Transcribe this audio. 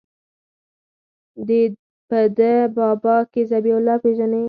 په ده بابا کښې ذبيح الله پېژنې.